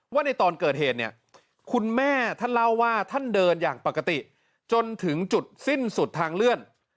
ว่าในตอนเกิดเหตุเนี่ยคุณแม่ท่านเล่าว่าท่านเดินอย่างปกติจนถึงจุดสิ้นสุดทางเลื่อน